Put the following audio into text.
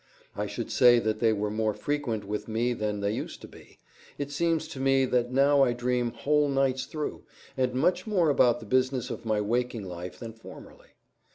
I should say that they were more frequent with me than they used to be; it seems to me that now I dream whole nights through, and much more about the business of my waking life than formerly.